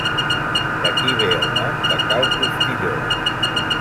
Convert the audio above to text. D'aquí ve el nom de Cal Postilló.